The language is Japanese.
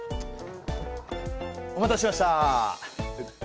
お待たせしました！